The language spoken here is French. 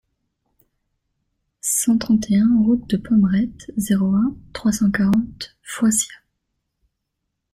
cent trente et un route de Pommerette, zéro un, trois cent quarante, Foissiat